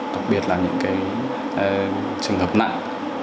đặc biệt là những trường hợp nặng